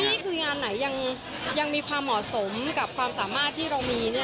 นี่คืองานไหนยังมีความเหมาะสมกับความสามารถที่เรามี